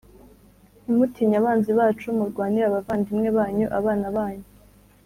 Ntimutinye Abanzi Bacu Murwanire Abavandimwe Banyu Abana Banyu